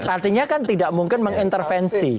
artinya kan tidak mungkin mengintervensi